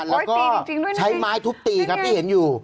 แล้วก็ใช้ไม้ทุบตีครับที่เห็นอยู่